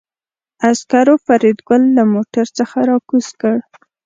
عسکرو فریدګل له موټر څخه راکوز کړ